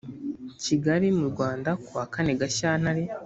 kigali mu rwanda kuwa kane gashyantare